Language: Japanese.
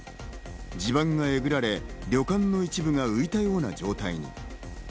地盤がえぐられ、旅館の一部が浮いたような状態に。